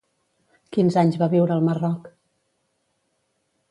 Quins anys va viure al Marroc?